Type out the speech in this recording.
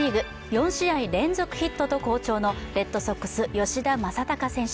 ４試合連続ヒットと好調のレッドソックス・吉田正尚選手。